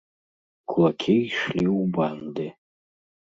Кулакі ішлі ў банды.